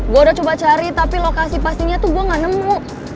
gue udah coba cari tapi lokasi pastinya tuh gue gak nemu